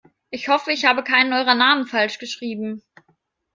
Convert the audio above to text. Ich hoffe, ich habe keinen eurer Namen falsch geschrieben.